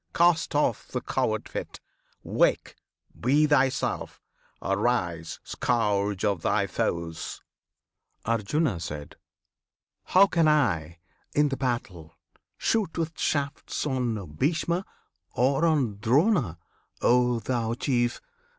cast off the coward fit! Wake! Be thyself! Arise, Scourge of thy Foes! Arjuna. How can I, in the battle, shoot with shafts On Bhishma, or on Drona O thou Chief!